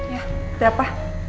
ya udah apa